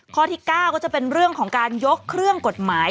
ข้อที่๙ก็จะเป็นเรื่องของการยกเครื่องกฎหมาย